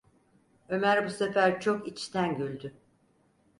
Ömer bu sefer çok içten güldü: